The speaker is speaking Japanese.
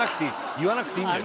言わなくていいんだよ。